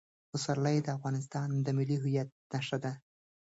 پسرلی د افغانستان د ملي هویت نښه ده.